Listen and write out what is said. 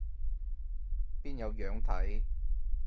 邊有樣睇